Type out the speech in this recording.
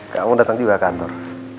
kamu datang juga ke kantor